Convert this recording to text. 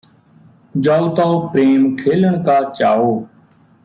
ਜਉ ਤਉ ਪ੍ਰੇਮ ਖੇਲਣ ਕਾ ਚਾਉ